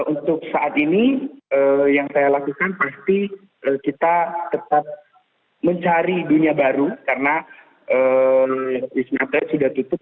untuk saat ini yang saya lakukan pasti kita tetap mencari dunia baru karena wisma atlet sudah tutup